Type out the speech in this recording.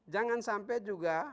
jangan sampai juga